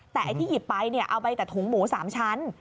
แต่ไอ้ที่หยิบไปเอาไปแต่ถุงหมู๓ชั้น